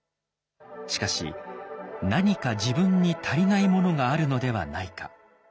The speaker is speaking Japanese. しかし何か自分に足りないものがあるのではないか。